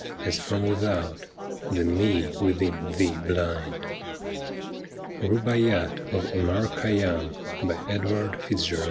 As from ivithout —' The Me within Thee Blind !'' Rubaiyat ' of Omar Khayyam. Edward FitzGerald.